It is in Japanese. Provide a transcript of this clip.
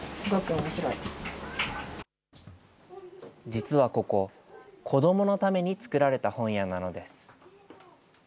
実はここ、子どものために作られた本屋なのです。